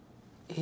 え